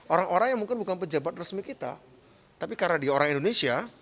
orang orang yang mungkin bukan pejabat resmi kita tapi karena dia orang indonesia